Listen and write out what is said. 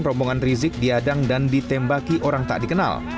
rombongan rizik diadang dan ditembaki orang tak dikenal